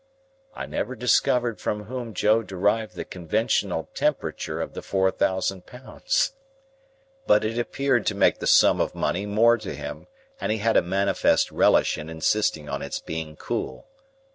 I never discovered from whom Joe derived the conventional temperature of the four thousand pounds; but it appeared to make the sum of money more to him, and he had a manifest relish in insisting on its being cool.